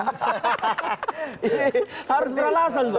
harus beralasan bang